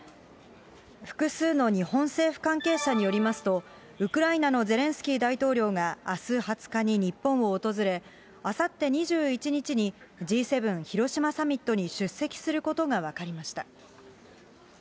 複数の日本政府関係者によりますと、ウクライナのゼレンスキー大統領が、あす２０日に日本を訪れ、あさって２１日に、Ｇ７広島サミットに出席することが分かりました。